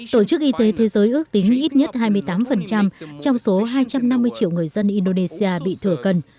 tổ chức y tế thế giới ước tính ít nhất hai mươi tám trong số hai trăm năm mươi triệu người dân indonesia bị thừa cân